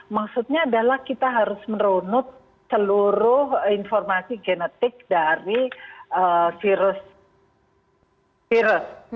maksudnya adalah kita harus merunut seluruh informasi genetik dari virus virus